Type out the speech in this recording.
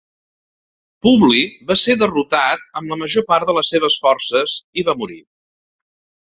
Publi va ser derrotat amb la major part de les seves forces i va morir.